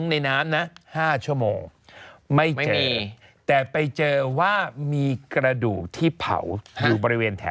สนุนโดยอีซูซูดีแมคบลูพาวเวอร์นวัตกรรมเปลี่ยนโลก